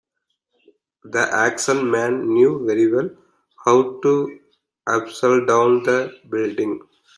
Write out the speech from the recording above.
The action man knew very well how to abseil down the building